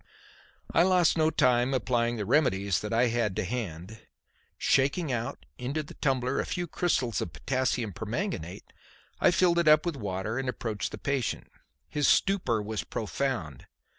I lost no time in applying the remedies that I had to hand. Shaking out into the tumbler a few crystals of potassium permanganate, I filled it up with water and approached the patient. His stupor was profound.